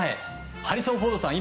ハリソン・フォードさん